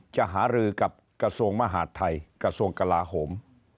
หารือกับกระทรวงมหาดไทยกระทรวงกลาโหม